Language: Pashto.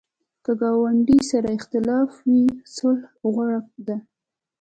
که ګاونډي سره اختلاف وي، صلح غوره ده